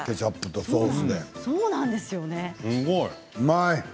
すごい。